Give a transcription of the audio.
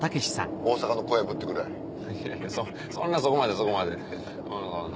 いやいやそそんなそこまでそこまで。